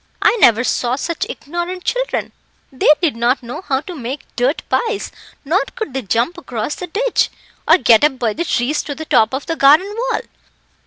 I never saw such ignorant children; they did not know how to make dirt pies, nor could they jump across the ditch, or get up by the trees to the top of the garden wall.